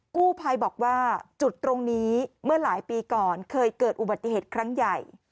กู้ภัยบอกว่าจุดตรงนี้เมื่อหลายปีก่อนเคยเกิดอุบัติเหตุครั้งใหญ่